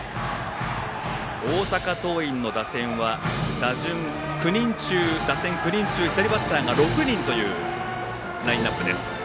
大阪桐蔭の打線は打線９人中左バッターが６人というラインナップです。